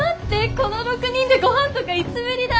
この６人でごはんとかいつぶりだ？